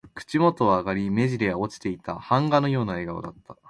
口元は上がり、目じりは落ちていた。版画のような笑顔だった。